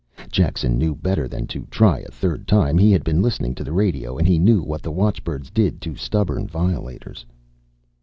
Jackson knew better than to try a third time. He had been listening to the radio and he knew what the watchbirds did to stubborn violators.